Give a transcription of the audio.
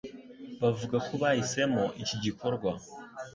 Bavuga ko bahisemo iki gikorwa